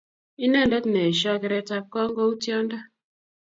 Inendet ne eesyoi kereetap kong' ko uu tyondo .